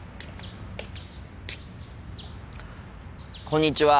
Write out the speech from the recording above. こんにちは。